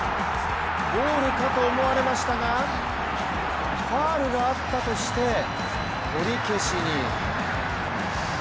ゴールかと思われましたがファウルがあったとして取り消しに。